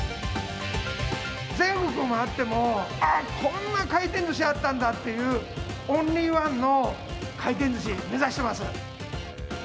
全国回っても、こんな回転ずしあったんだっていう、オンリー１の回転ずし、目指してます。